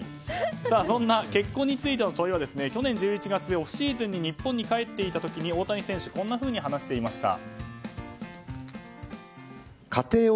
そんな結婚についての問いは去年１１月オフシーズンに日本に帰っていた時に大谷選手はこんなふうに話していました。